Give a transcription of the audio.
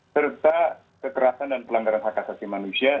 serta kekerasan dan pelanggaran hak asasi manusia